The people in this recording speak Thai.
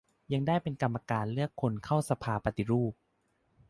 ยังได้เป็นกรรมการเลือกคนเข้าสภาปฏิรูป